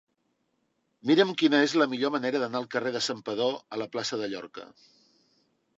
Mira'm quina és la millor manera d'anar del carrer de Santpedor a la plaça de Llorca.